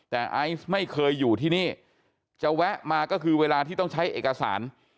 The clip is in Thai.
แต่ไอซ์ไม่เคยอยู่ที่นี่จะแวะมาก็คือเวลาที่ต้องใช้เอกสาร